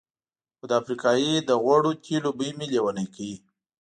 خو د افریقایي د غوړو تېلو بوی مې لېونی کوي.